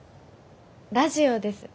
ラジオです。